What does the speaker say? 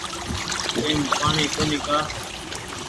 ايم پآڻيٚ ڪونيٚ ڪآ